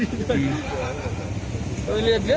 lihat lihat sebenarnya sudah sampai di sini